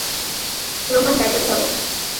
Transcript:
প্রমাণ ব্যাগে ভরো।